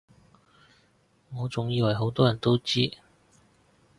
我仲以爲好多人都知